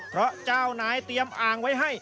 เพราะเจ้านายเตรียมอ่างไว้ให้